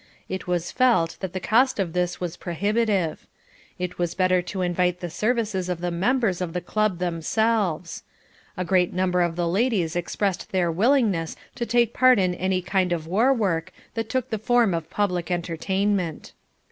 It was felt that the cost of this was prohibitive. It was better to invite the services of the members of the club themselves. A great number of the ladies expressed their willingness to take part in any kind of war work that took the form of public entertainment.